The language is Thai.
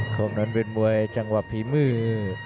ช่วงนั้นเป็นมวยจังหวะฝีมือ